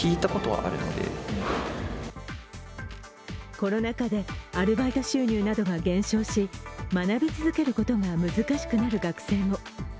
コロナ禍でアルバイト収入などが減少し、学び続けることが難しくなる学生も。